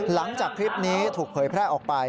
หลังจากคลิปนี้ถูกเผยแพร่ออกไป